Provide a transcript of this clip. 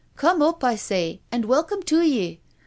Come up, I say, and welcome to ye